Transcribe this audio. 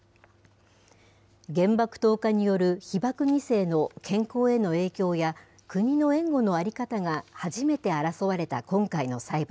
原爆投下による被爆２世の健康への影響や、国の援護の在り方が初めて争われた今回の裁判。